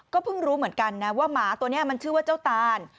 เพิ่งรู้เหมือนกันนะว่าหมาตัวนี้มันชื่อว่าเจ้าตาน